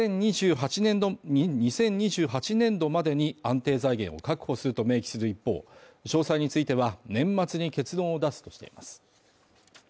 ２０２８年度までに、安定財源を確保すると明記する一方、詳細については、年末に結論を出すとしています。